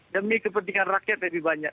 demi kepentingan rakyat lebih banyak